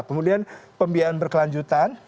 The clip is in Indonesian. kemudian pembiayaan berkelanjutan